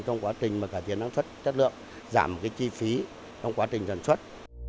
trong quá trình cải tiến đoàn xuất chất lượng giảm chi phí trong quá trình đoàn xuất